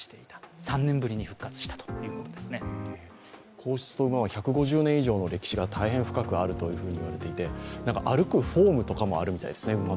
皇室と馬は１５０年以上の歴史があるといわれていて馬の歩くフォームとかもあるそうですね。